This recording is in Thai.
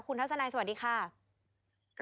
คุณทัศนัยสวัสดีค่ะ